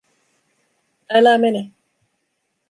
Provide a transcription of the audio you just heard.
Älä mene!